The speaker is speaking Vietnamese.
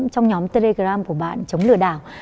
trong nhóm telegram của bạn chống lừa đảo